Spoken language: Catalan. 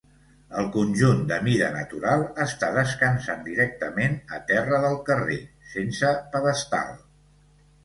El conjunt de mida natural està descansant directament a terra del carrer, sense pedestal.